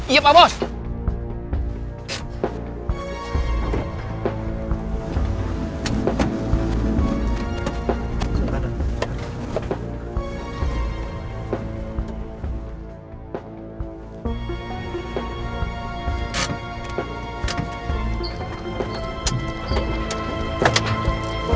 iya buka gerbangnya